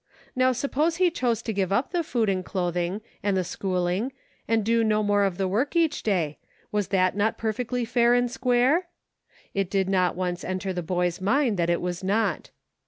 Now suppose he chose to give up the food and clothing, and the schooling, and do no more of the work each day ; was not that perfectly fair and square ? It did not once enter the boy's mind that it was not.